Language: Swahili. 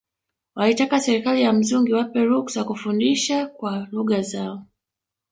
Walitaka serikali ya mzungu iwape ruksa kufundisha kwa lugha zao